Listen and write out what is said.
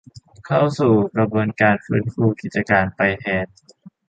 เข้าสู่กระบวนการฟื้นฟูกิจการไปแทน